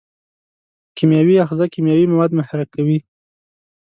کیمیاوي آخذه کیمیاوي مواد محرک کوي.